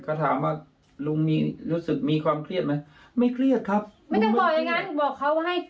ก็ถามว่าลุงมีรู้สึกมีความเครียดไหมไม่เครียดครับไม่ต้องบอกอย่างงั้นบอกเขาว่าให้